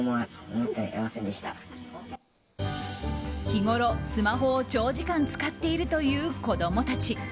日ごろ、スマホを長時間使っているという子供たち。